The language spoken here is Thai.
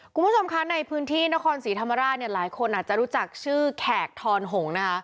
คุณผู้ชมคะในพื้นที่นครศรีธรรมราชเนี่ยหลายคนอาจจะรู้จักชื่อแขกทอนหงนะคะ